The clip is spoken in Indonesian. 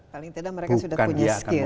paling tidak mereka sudah punya skill